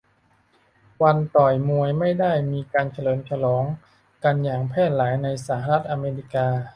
วันต่อยมวยไม่ได้มีการเฉลิมฉลองกันอย่างแพร่หลายในสหรัฐอเมริกา